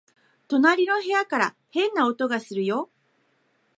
隣の部屋から変な音がするよ